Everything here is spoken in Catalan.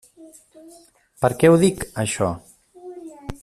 Per què ho dic, això?